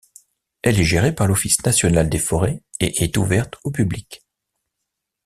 Elle est gérée par l'Office national des forêts et est ouverte au public.